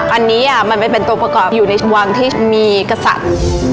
อันนี้มันไปเป็นตัวประกอบอยู่ในวังที่มีกษัตริย์